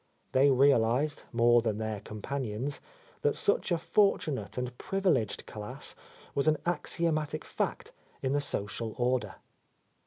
They realized, more than their companions, that such a fortunate and privileged class was an axiomatic fact in the social order.